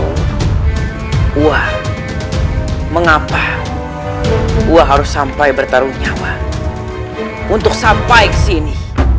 wah mengapa gua harus sampai bertarung nyaman untuk sampai ke sini